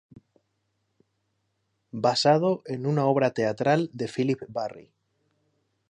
Basado en una obra teatral de Philip Barry.